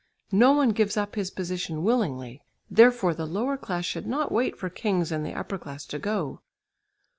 No one gives up his position willingly, therefore the lower class should not wait for kings and the upper class to go.